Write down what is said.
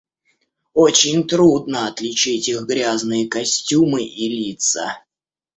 Очень трудно отличить их грязные костюмы и лица.